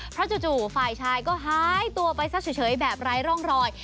เพราะจู่ฝ่ายชายก็หายตัวไปซะเฉยแบบไร้ร่องรอย